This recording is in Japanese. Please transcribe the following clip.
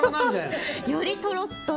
よりとろっと。